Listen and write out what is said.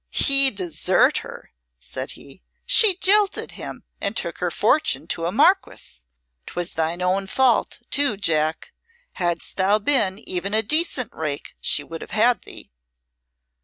"He desert her!" said he. "She jilted him and took her fortune to a Marquis! 'Twas thine own fault, too, Jack. Hadst thou been even a decent rake she would have had thee."